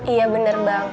iya bener bang